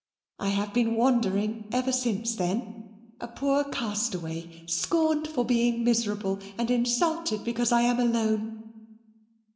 I have been wandering ever since then a poor castaway, scorned for being miserable, and insulted because I am alone.